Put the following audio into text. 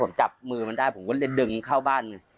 ผมจับมือมันได้ผมก็เลยดึงเข้าบ้าน